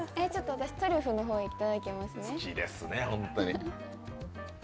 私トリュフの方いただきますね。